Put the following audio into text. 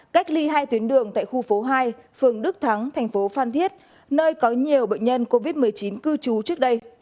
cách ly hai tuyến đường tại khu phố hai phường đức thắng thành phố phan thiết nơi có nhiều bệnh nhân covid một mươi chín cư trú trước đây